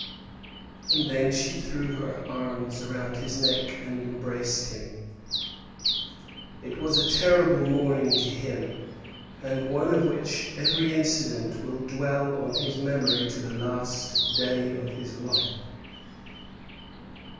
And then she threw her arms round his neck and embraced him. It was a terrible morning to him, and one of which every incident will dwell on his memory to the last day of his life.